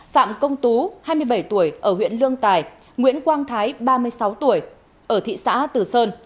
phạm công tú hai mươi bảy tuổi ở huyện lương tài nguyễn quang thái ba mươi sáu tuổi ở thị xã từ sơn